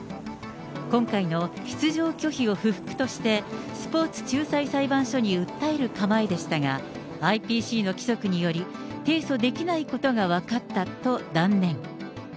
今回の出場拒否を不服として、スポーツ仲裁裁判所に訴える構えでしたが、ＩＰＣの規則により、提訴できないことが分かったと断念。